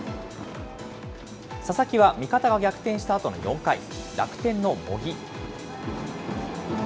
佐々木は味方が逆転したあとの４回、楽天の茂木。